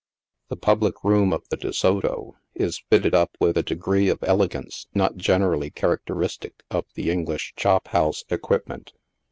The public room of tho De Soto is fitted up with a degree of elegance not generally characteristic of the English chop house equipment.